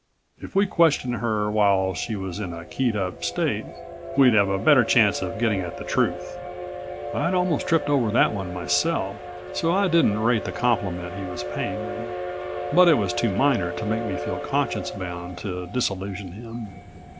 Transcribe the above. If we questioned her while she was in a keyed up state we'd have a better chance of getting at the truth." I'd almost tripped over that one myself, so I didn't rate the compliment he was paying me. But it was too minor to make me feel conscience bound to disillusion him.